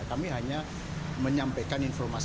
kami hanya menyampaikan informasi